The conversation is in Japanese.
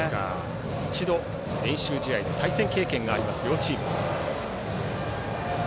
一度、練習試合で対戦経験がある両チーム。